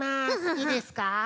いいですか？